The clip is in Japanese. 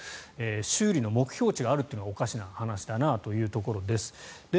修理の目標値があるのがおかしな話だなということです。